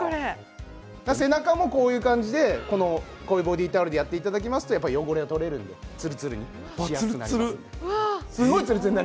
背中も、こういう感じでボディータオルでやっていただくと汚れが取れるのでつるつるにしやすくなります。